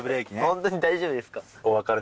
ホントに大丈夫ですか？